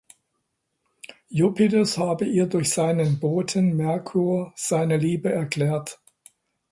Jupiters habe ihr durch seinen Boten Mercure seine Liebe erklärt.